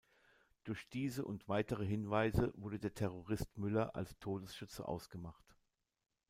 Durch diese und weitere Hinweise wurde der Terrorist Müller als Todesschütze ausgemacht.